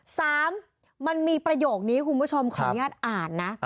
สามมันมีประโยคนี้คุณผู้ชมขออนุญาตอ่านนะ